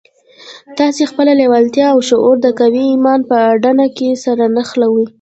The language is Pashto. تاسې خپله لېوالتیا او لاشعور د قوي ايمان په اډانه کې سره نښلوئ.